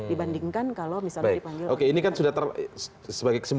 dibandingkan kalau misalnya dipanggil orang lain